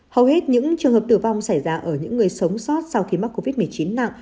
hầu hết những trường hợp tử vong xảy ra ở những người sống sót sau khi mắc covid một mươi chín nặng